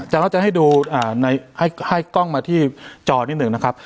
แต่ว่าจะให้ดูให้กล้องมาที่จอนิดหนึ่งนะครับ